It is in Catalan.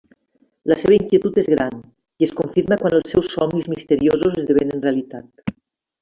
La seva inquietud és gran, i es confirma quan els seus somnis misteriosos esdevenen realitat.